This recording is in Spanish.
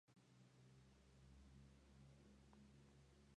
Si las palabras no tenían ningún sentido, el adivino las interpretaba.